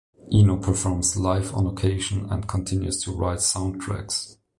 Eno performs live on occasion and continues to write soundtracks.